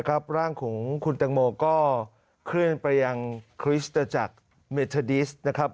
ร่างของคุณตังโมก็เคลื่อนไปยังคริสตจักรเมทาดิสนะครับ